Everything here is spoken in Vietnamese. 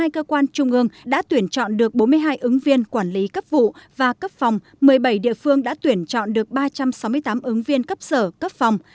một mươi cơ quan trung ương đã tuyển chọn được bốn mươi hai ứng viên quản lý cấp vụ và cấp phòng một mươi bảy địa phương đã tuyển chọn được ba trăm sáu mươi tám ứng viên cấp sở cấp phòng